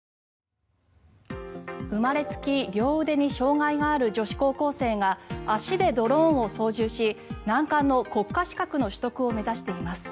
生まれつき両腕に障害がある女子高校生が足でドローンを操縦し難関の国家資格の取得を目指しています。